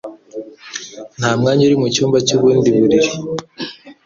Nta mwanya uri mucyumba cy'ubundi buriri.